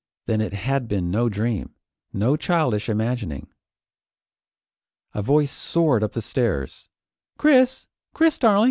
Then it had been no dream, no childish imagining. A voice soared up the stairs. "Chris! Chris darling?